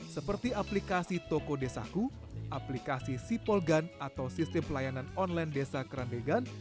seperti aplikasi toko desaku aplikasi sipolgan atau sistem pelayanan online desa kerandegan